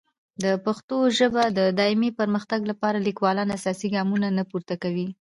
د پښتو ژبې د دایمي پرمختګ لپاره لیکوالان اساسي ګامونه نه پورته کوي.